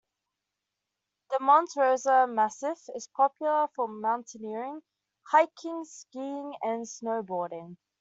The Monte Rosa massif is popular for mountaineering, hiking, skiing and snowboarding.